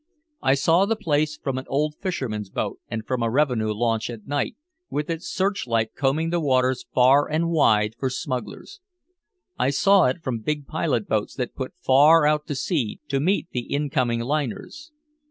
I saw the place from an old fisherman's boat and from a revenue launch at night, with its searchlight combing the waters far and wide for smugglers. I saw it from big pilot boats that put far out to sea to meet the incoming liners.